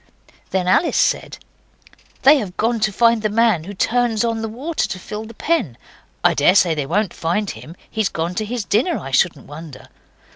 Then Alice said, 'They have gone to find the man who turns on the water to fill the pen. I daresay they won't find him. He's gone to his dinner, I shouldn't wonder.